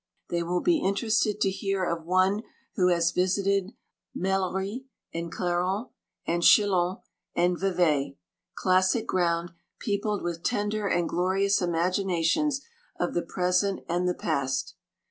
They will be inter* ested to hear of one who has visited Mellerie, and Clarens, and Chillon, and Vevai — classic ground, peopled with tender and glorious imaginations of the present and the past.